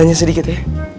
hanya sedikit ya